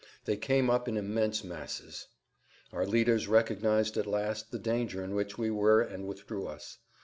They came up in immense masses. Our leaders recognized at last the danger in which we were and withdrew us.